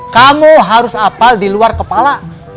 kamu harus apal di luar kepala